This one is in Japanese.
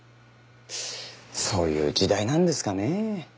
そういう時代なんですかね。